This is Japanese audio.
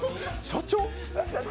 社長？